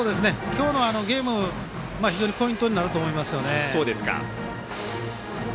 今日のゲーム、非常にポイントになると思います。